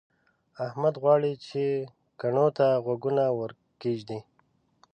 احمد غواړي چې کڼو ته غوږونه ورکېږدي.